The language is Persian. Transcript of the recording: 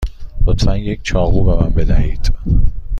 لطفا یک چاقو به من بدهید.